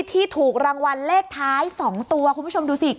ที่ถูกรางวัลเลขท้าย๒ตัวคุณผู้ชมดูสิ